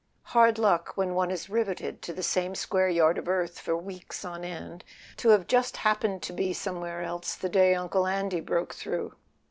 "Hard luck, when one is riveted to the same square yard of earth for weeks on end, to have just happened to be somewhere else the day Uncle Andy broke through."